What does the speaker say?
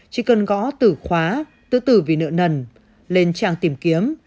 chỉ cần gõ tử khóa tự tử vì nợ nần lên trạng tìm kiếm